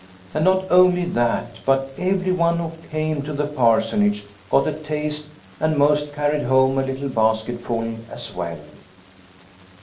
And not only that, but everyone who came to the Parsonage got a taste, and most carried home a little basketful as well.